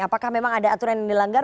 apakah memang ada aturan yang dilanggar